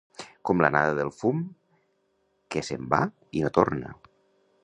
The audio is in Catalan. Com l'anada del fum, que se'n va i no torna.